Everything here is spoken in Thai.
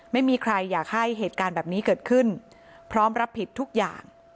ไม่มีใครอยากให้เหตุการณ์แบบนี้เกิดขึ้นพร้อมรับผิดทุกอย่าง